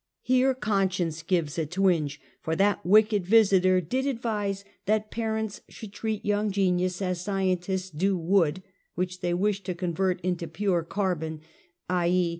Here conscience gives a twinge, for that wicked Visiter did advise that parents should treat young genius as sci entists do wood, which they wish to convert into pure carbon, i. e.